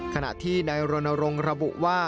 ขณะที่นายรณรงค์ระบุว่า